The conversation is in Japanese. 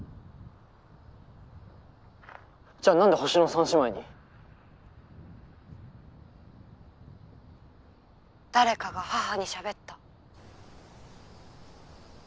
じゃあなんで「星の三姉妹に」？誰かが母にしゃべった。